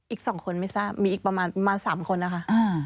อีก๒คนไม่ทราบมีอีกประมาณ๓คนนะคะ